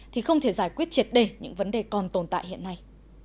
thì không thể giải quyết triệt đề những vấn đề còn tồn tại hiện nay